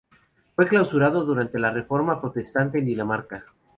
Fue clausurado durante la Reforma Protestante en Dinamarca.